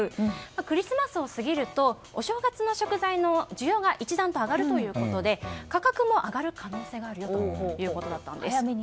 クリスマスを過ぎるとお正月の食材の需要が一段と上がるということで価格も上がる可能性があるということだったんです。